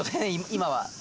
今は・